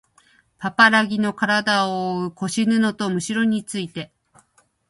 パパラギのからだをおおう腰布とむしろについて